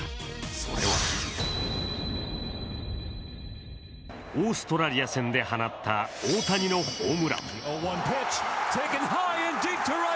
それはオーストラリア戦で放った大谷のホームラン。